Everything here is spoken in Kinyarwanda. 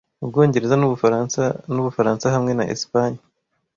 Ubwongereza n'Ubufaransa, n'Ubufaransa hamwe na Espagne,